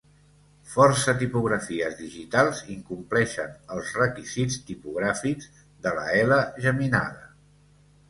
Força tipografies digitals incompleixen els requisits tipogràfics de la ela geminada.